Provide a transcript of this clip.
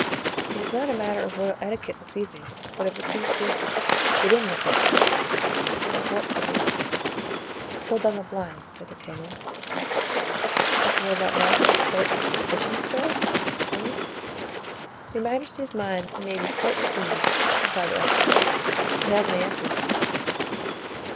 "It is not a matter of royal etiquette this evening, but of the king's safety. Get in, Laporte." Laporte obeyed. "Pull down the blinds," said D'Artagnan. "But will that not excite suspicion, sir?" asked the queen. "Your majesty's mind may be quite at ease," replied the officer; "I have my answer ready."